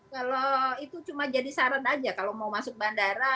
kalau itu cuma jadi saran aja kalau mau masuk bandara